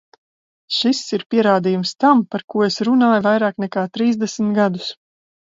Šis ir pierādījums tam, par ko es runāju vairāk nekā trīsdesmit gadus.